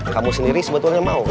kamu sendiri sebetulnya mau